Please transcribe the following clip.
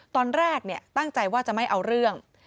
ตอนแรกตั้งใจว่าจะไม่เอาเรื่อง